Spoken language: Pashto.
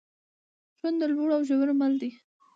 ژوند د لوړو او ژورو مل دی.